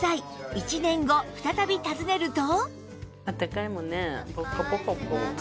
１年後再び訪ねると